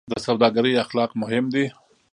د سوداګرۍ اخلاق مهم دي